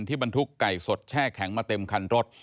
บรรทุกไก่สดแช่แข็งมาเต็มคันรถ